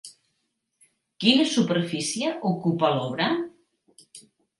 Quina superfície ocupa l'obra?